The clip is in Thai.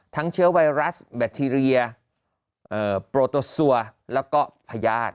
เชื้อไวรัสแบคทีเรียโปรโตซัวแล้วก็พญาติ